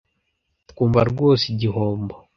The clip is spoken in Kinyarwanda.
twumva rwose igihombo